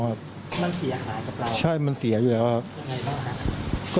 มันเสียหายกับเราใช่มันเสียอยู่แล้วครับ